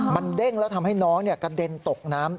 มันเด้งแล้วทำให้น้องกระเด็นตกน้ำ